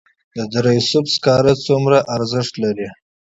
د دره صوف سکاره څومره کیفیت لري؟